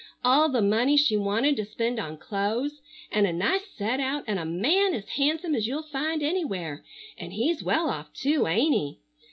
All the money she wanted to spend on clo'es, and a nice set out, and a man as handsome as you'll find anywhere, and he's well off too, ain't he?